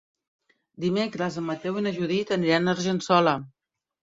Dimecres en Mateu i na Judit aniran a Argençola.